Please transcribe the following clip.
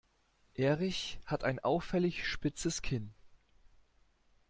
Erich hat ein auffällig spitzes Kinn.